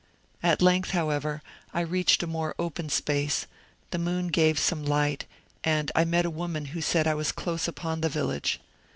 At length, however, I reached a more open space, the moon gave some light, and I met a woman who said I was close upon the village.